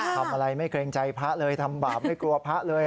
ทำอะไรไม่เกรงใจพระเลยทำบาปไม่กลัวพระเลย